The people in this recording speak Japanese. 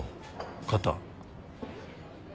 肩。